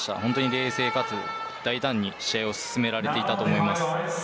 冷静かつ大胆に試合を進められていたと思います。